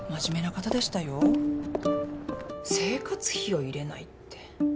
生活費を入れないって。